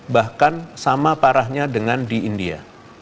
bahkan sama parahnya dengan di india